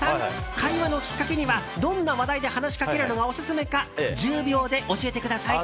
会話のきっかけにはどんな話題で話しかけるのがオススメか１０秒で教えてください。